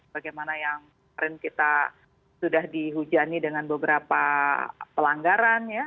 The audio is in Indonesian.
bagaimana yang kemarin kita sudah dihujani dengan beberapa pelanggaran ya